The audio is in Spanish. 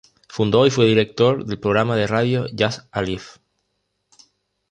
Fundó y fue director del programa de radio "Jazz Alive".